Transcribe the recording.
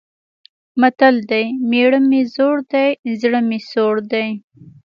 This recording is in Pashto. متل دی: مېړه مې زوړ دی، زړه مې سوړ دی.